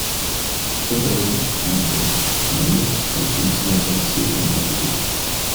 Elderly, anemic and malnourished patients may absorb the suture more quickly.